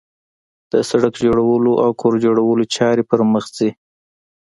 د سړک جوړولو او کور جوړولو چارې پرمخ ځي